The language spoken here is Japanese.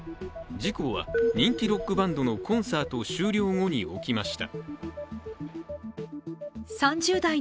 事故は、人気ロックバンドのコンサート終了後に起きました。